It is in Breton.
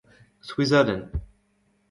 souezhadenn